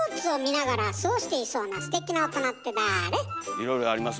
いろいろあります